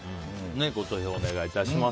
ご投票お願いいたします。